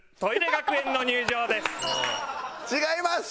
違います。